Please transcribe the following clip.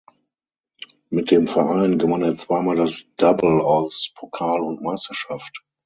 Mit dem Verein gewann er zweimal das Double aus Pokal und Meisterschaft.